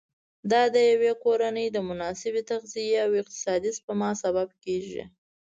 دا د یوې کورنۍ د مناسبې تغذیې او اقتصادي سپما سبب کېږي.